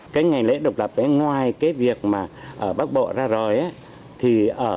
cái ngày lễ độc lập ngoài cái việc mà bác bộ ra rồi